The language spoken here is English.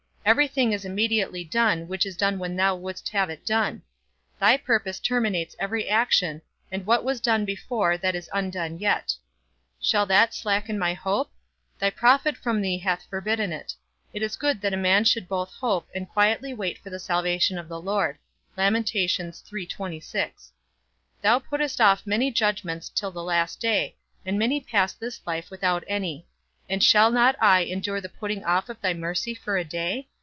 Every thing is immediately done, which is done when thou wouldst have it done. Thy purpose terminates every action, and what was done before that is undone yet. Shall that slacken my hope? thy prophet from thee hath forbidden it. It is good that a man should both hope, and quietly wait for the salvation of the Lord. Thou puttest off many judgments till the last day, and many pass this life without any; and shall not I endure the putting off thy mercy for a day?